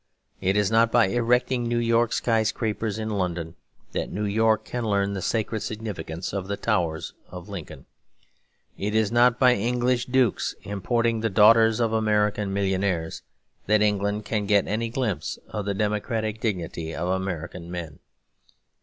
It is not by erecting New York sky scrapers in London that New York can learn the sacred significance of the towers of Lincoln. It is not by English dukes importing the daughters of American millionaires that England can get any glimpse of the democratic dignity of American men.